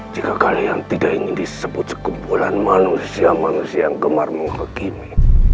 jika kalian tidak ingin disebut sekumpulan manusia manusia yang gemar menghakimi